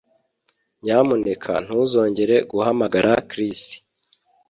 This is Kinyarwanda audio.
Nyamuneka ntuzongere guhamagara Chris